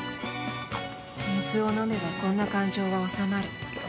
水を飲めば、こんな感情は収まる。